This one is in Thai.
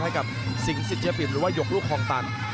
ให้กับสิงศิษยปิ่นหรือว่าหยกลูกคลองตัน